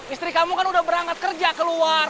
istri kamu kan udah berangkat kerja keluar